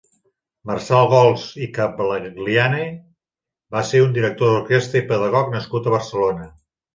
Marçal Gols i Cavagliani va ser un director d'orquestra i pedagog nascut a Barcelona.